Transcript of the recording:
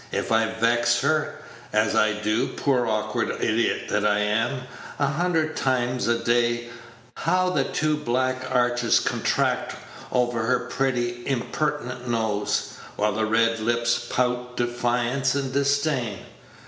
If I vex her as I do, poor awkward idiot that I am, a hundred times a day how the two black arches contract over her pretty impertinent nose, while the red lips pout defiance and disdain!